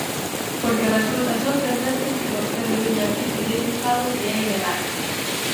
Porque resulta sorprendente que vostede veña aquí pedirnos algo que é ilegal.